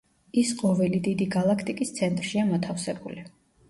ის ყოველი დიდი გალაქტიკის ცენტრშია მოთავსებული.